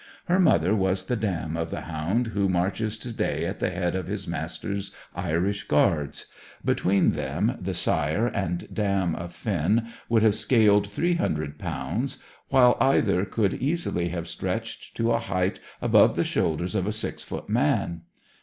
Her mother was the dam of the hound who marches to day at the head of His Majesty's Irish Guards. Between them, the sire and dam of Finn would have scaled three hundred pounds, while either could easily have stretched to a height above the shoulders of a six foot man.